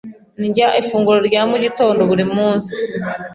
Ndya ifunguro rya mu gitondo buri munsi.